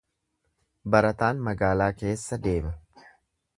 Barataan magaalaa keessa deema.